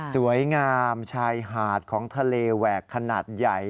สวยงามชายหาดของทะเลแหวกขนาดใหญ่